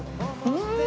うん。